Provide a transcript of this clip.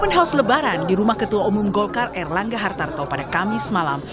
open house lebaran di rumah ketua umum golkar erlangga hartarto pada kamis malam